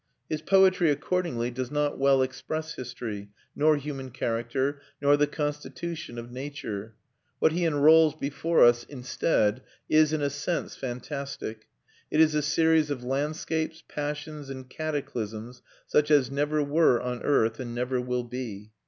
His poetry accordingly does not well express history, nor human character, nor the constitution of nature. What he unrolls before us instead is, in a sense, fantastic; it is a series of landscapes, passions, and cataclysms such as never were on earth, and never will be.